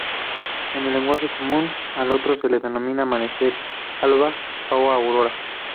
En el lenguaje común, al orto se le denomina amanecer, alba o aurora.